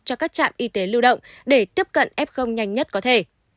cho các trạm y tế lưu động để tiếp cận f nhanh nhất có thể